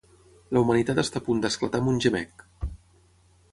La humanitat està a punt de esclatar amb un gemec.